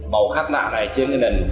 màu khắc mạ này trên cái nền